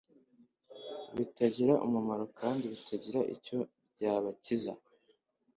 bitagira umumaro kandi bitagira icyo byabakiza